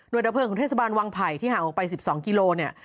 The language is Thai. โดยดับเพลิงของเทศบาลวังไผ่ที่ห่างออกไป๑๒กิโลเนี่ย